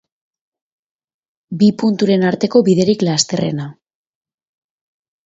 Bi punturen arteko biderik lasterrena.